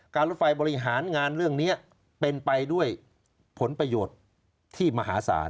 รถไฟบริหารงานเรื่องนี้เป็นไปด้วยผลประโยชน์ที่มหาศาล